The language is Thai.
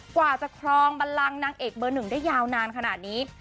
กว่าจะครองบันลังนางเอกเบอร์หนึ่งได้ยาวนานขนาดนี้